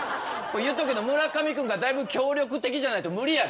言っとくけどムラカミ君がだいぶ協力的じゃないと無理やで。